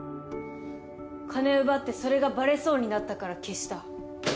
金奪ってそれがバレそうになったから消した。